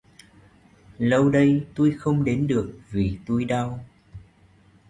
Lâu đây tui không đến được vì tui đau